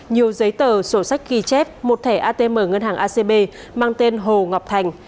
nhiều giấy tờ sổ sách ghi chép một thẻ atm ngân hàng acb mang tên hồ ngọc thành